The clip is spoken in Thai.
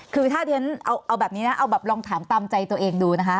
คือถ้าเรียนเอาแบบนี้นะเอาแบบลองถามตามใจตัวเองดูนะคะ